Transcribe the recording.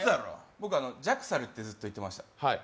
僕、ＪＡＸＡＬってずっと言ってました。